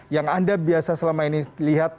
yang anda biasa selama ini lihat